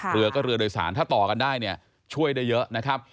เรือก็รือโดยสารถ้าต่อกันได้ช่วยได้เยอะ